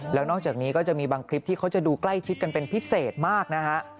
แล้วนอกจากนี้ก็จะมีบางคลิปที่เขาจะดูใกล้ชิดกันเป็นพิเศษมากนะฮะ